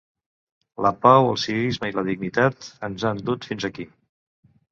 La pau, el civisme i la dignitat ens han dut fins aquí.